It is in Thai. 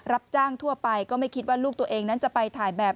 รับจ้างทั่วไปก็ไม่คิดว่าลูกตัวเองนั้นจะไปถ่ายแบบ